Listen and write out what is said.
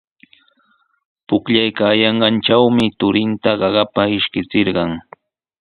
Pukllaykaayanqantrawmi turinta qaqapa ishkichirqan.